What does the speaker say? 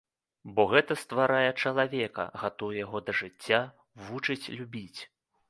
Бо гэта стварае чалавека, гатуе яго да жыцця, вучыць любіць.